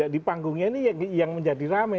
di panggungnya ini yang menjadi rame